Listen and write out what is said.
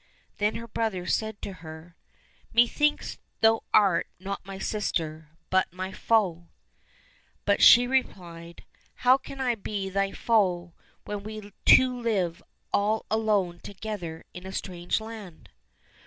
"— Then her brother said to her, " Methinks thou art not my sister, but my foe !"— But she replied, " How can I be thy foe when we two live all alone together in a strange land